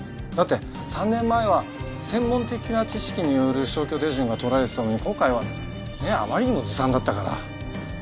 だって３年前は専門的な知識による消去手順が取られていたのに今回はねえあまりにもずさんだったから。